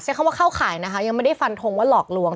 คำว่าเข้าข่ายนะคะยังไม่ได้ฟันทงว่าหลอกลวง